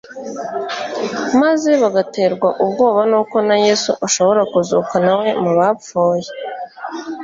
maze bagaterwa ubwoba n'uko na Yesu ashobora kuzuka na we mu bapfuye